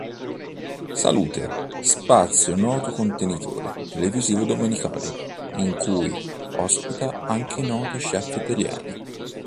Salute", spazio del noto contenitore televisivo domenicale, in cui ospita anche noti chef italiani.